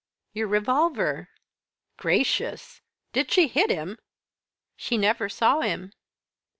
"Your revolver." "Gracious! did she hit him?" "She never saw him."